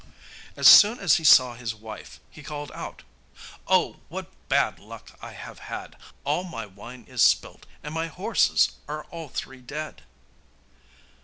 As soon as he saw his wife, he called out: 'Oh! what bad luck I have had! all my wine is spilt, and my horses are all three dead.